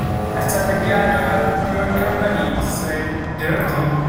"I shall be glad to have your company," said Dorothy.